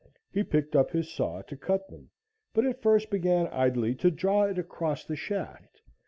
He picked up his saw to cut them, but first began idly to draw it across the shaft.